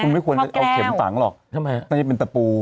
ไม่ควรเอาเข็มต่างหรอกไม่เป็นตะปู